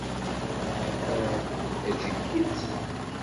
Theddreḍ tačikit?